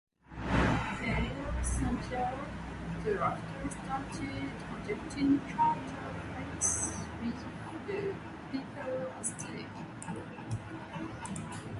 Air Saint-Pierre thereafter started conducting charter flights with a Piper Aztec.